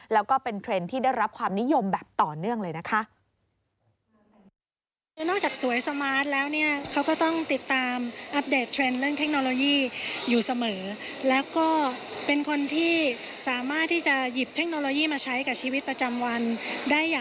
แล้วก็เป็นเทรนด์ที่ได้รับความนิยมแบบต่อเนื่องเลยนะคะ